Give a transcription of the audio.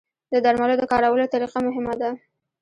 د درملو د کارولو طریقه مهمه ده.